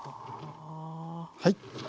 はい。